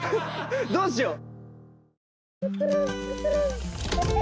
どうしよう。